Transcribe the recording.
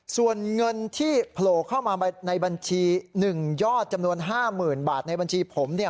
ส่วนเงินที่โผล่เข้ามาในบัญชี๑ยอดจำนวน๕๐๐๐บาทในบัญชีผมเนี่ย